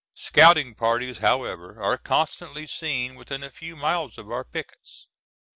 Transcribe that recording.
Scouting parties however are constantly seen within a few miles of our pickets.